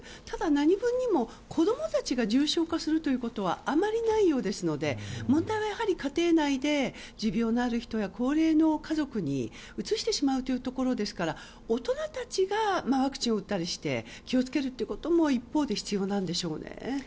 ただ、何分にも子供たちが重症化するということはあまりないようですので問題は、やはり家庭内で持病のある人や高齢の家族にうつしてしまうというところですから大人たちがワクチンを打ったりして気を付けるということも一方で必要なんでしょうね。